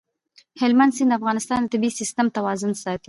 هلمند سیند د افغانستان د طبعي سیسټم توازن ساتي.